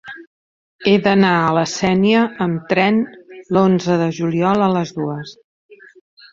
He d'anar a la Sénia amb tren l'onze de juliol a les dues.